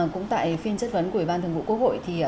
cũng tại phiên chất vấn của ủy ban thường vụ quốc hội